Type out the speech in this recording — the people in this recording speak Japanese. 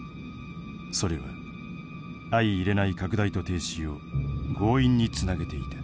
それは相いれない拡大と停止を強引につなげていた。